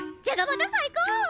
じゃがバタ最高！